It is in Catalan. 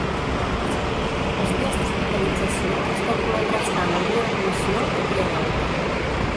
Els dies d'hospitalització es calculen restant el dia d'admissió al dia d'alta.